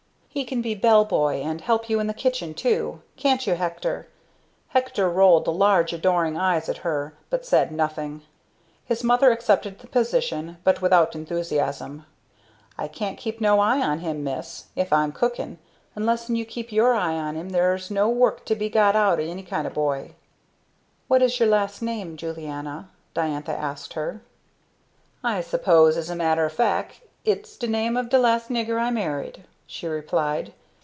"He can be 'bell boy' and help you in the kitchen, too. Can't you, Hector?" Hector rolled large adoring eyes at her, but said nothing. His mother accepted the proposition, but without enthusiasm. "I can't keep no eye on him, Miss, if I'm cookin' an less'n you keep your eye on him they's no work to be got out'n any kind o' boy." "What is your last name, Julianna?" Diantha asked her. "I suppose, as a matter o' fac' its de name of de last nigger I married," she replied.